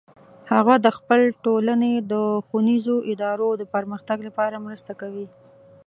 هغه د خپل ټولنې د ښوونیزو ادارو د پرمختګ لپاره مرسته کوي